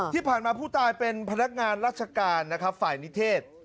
ที่ผ่านมาผู้ตายเป็นพนักงานราชการนะครับฝ่ายนิเทศ